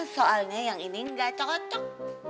soalnya yang ini nggak cocok